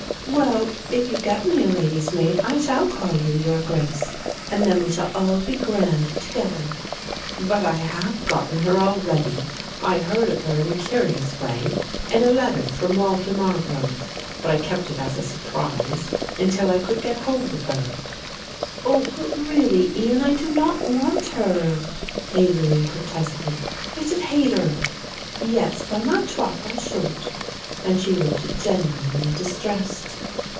"Well, if you get me a lady's maid, I shall call you 'your Grace' and then we shall all be grand together." "But I have gotten her already. I heard of her in a curious way in a letter from Walter Margrove, but I kept it as a surprise until I could get hold of her." "Oh, but really, Ian, I do not want her," Aline protested. "I should hate her. Yes, by my troth, I should," and she looked genuinely distressed.